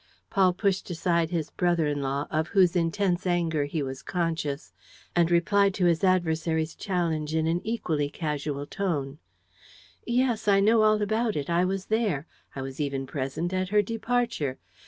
Paul pushed aside his brother in law, of whose intense anger he was conscious, and replied to his adversary's challenge in an equally casual tone: "Yes, I know all about it; I was there. I was even present at her departure.